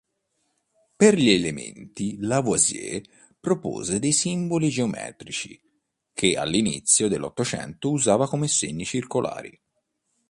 Per gli elementi, Lavoisier propose dei simboli geometrici, che all'inizio dell'Ottocento usava segni circolari.